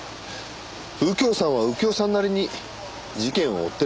右京さんは右京さんなりに事件を追っているはずです。